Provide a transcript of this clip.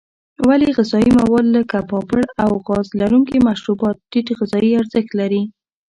ولې غذایي مواد لکه پاپړ او غاز لرونکي مشروبات ټیټ غذایي ارزښت لري.